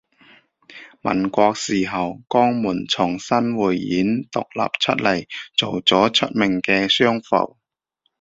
民國時候江門從新會縣獨立出嚟做咗出名嘅商埠